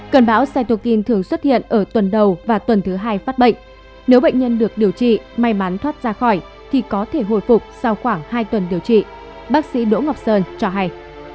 cơn bão saitukin thường xuất hiện ở tuần đầu và tuần thứ hai phát bệnh nếu bệnh nhân được điều trị may mắn thoát ra khỏi thì có thể hồi phục sau khoảng hai tuần điều trị bác sĩ đỗ ngọc sơn cho hay